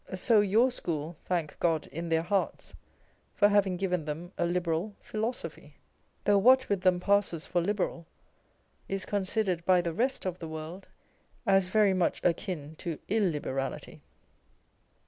So your School thank God in their hearts for having given them a liberal philosophy : though what with them passes for liberal is considered by the rest of the world as very much akin to illiberality.